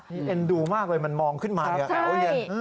นี่เป็นดูมากเลยมันมองขึ้นมาอย่างแป๋วอย่างเย็น